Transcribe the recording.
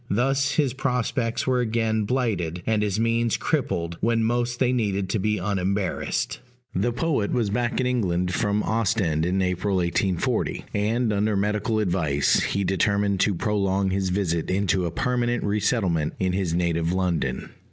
Thus his prospects were again blighted, and his means crippled when most they needed to be unembarrassed. The poet was back in England from Ostend in April 1840; and, under medical advice, he determined to prolong his visit into a permanent re settlement in his native London.